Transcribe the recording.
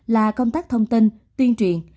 là công tác thông tin tuyên truyền